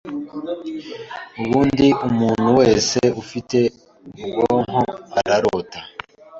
ubundi umuntu wese ufite ubwonko ararota.